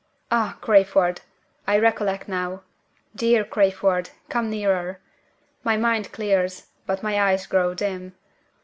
"Ah, Crayford! I recollect now. Dear Crayford! come nearer! My mind clears, but my eyes grow dim.